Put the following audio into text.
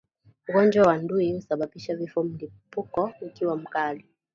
Ugonjwa wa ndui husababisha vifo mlipuko ukiwa mkali